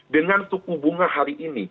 dengan suku bunga hari ini